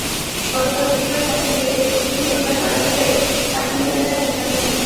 গতকাল বুধবার সকালে সিলেটের দক্ষিণ সুরমার লালাবাজারের সাতমাইল এলাকায় ঘটনাটি ঘটে।